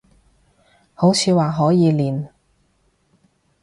好似話可以練